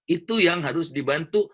itu yang harus dibantu